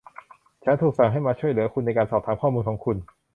ฉันถูกสั่งให้มาช่วยเหลือคุณในการสอบถามข้อมูลของคุณ